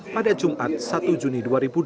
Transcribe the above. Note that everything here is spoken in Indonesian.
pada jumat satu juni dua ribu delapan belas